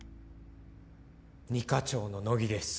２課長の乃木です